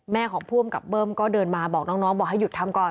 แม่ของภูมิกับเบิ้มก็เดินมาบอกน้องน้องบอกให้หยุดทำก่อน